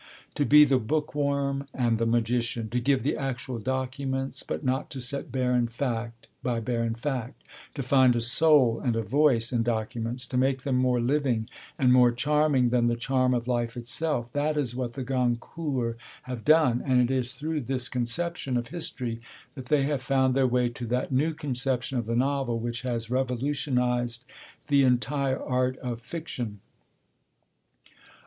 To be the bookworm and the magician; to give the actual documents, but not to set barren fact by barren fact; to find a soul and a voice in documents, to make them more living and more charming than the charm of life itself: that is what the Goncourts have done. And it is through this conception of history that they have found their way to that new conception of the novel which has revolutionised the entire art of fiction.